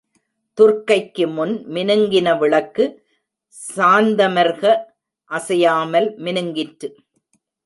துர்க்கைக்கு முன் மினுங்கின விளக்கு சாந்தமர்க அசையாமல் மினுங்கிற்று.